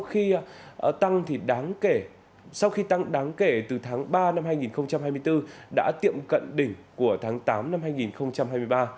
tìm mua trung cư tại hà nội sau khi tăng đáng kể từ tháng ba năm hai nghìn hai mươi bốn đã tiệm cận đỉnh của tháng tám năm hai nghìn hai mươi ba